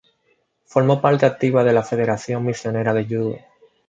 Formó parte activa de la Federación Misionera de Yudo.